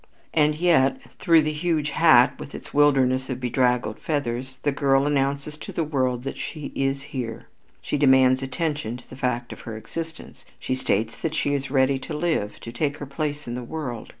And yet through the huge hat, with its wilderness of bedraggled feathers, the girl announces to the world that she is here. She demands attention to the fact of her existence, she states that she is ready to live, to take her place in the world.